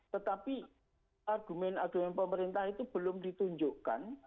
tetapi argumen argumen pemerintah itu belum ditunjukkan